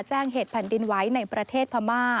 แจ้งเหตุแผ่นดินไว้ในประเทศพม่า